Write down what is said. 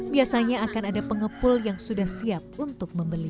biasanya akan ada pengepul yang sudah siap untuk membeli